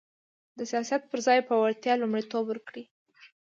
د سیاست پر ځای به وړتیا ته لومړیتوب ورکړي